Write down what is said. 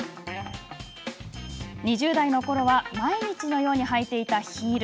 ２０代のころは毎日のように履いていたヒール。